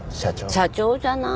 社長じゃない。